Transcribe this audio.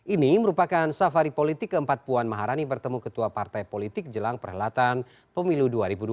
ini merupakan safari politik keempat puan maharani bertemu ketua partai politik jelang perhelatan pemilu dua ribu dua puluh